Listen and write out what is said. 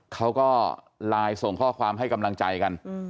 เขาก็ไลน์ส่งข้อความให้กำลังใจกัน